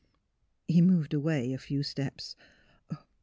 He moved away a few steps.